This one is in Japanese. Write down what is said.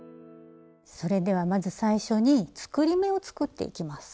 それではまず最初に作り目を作っていきます。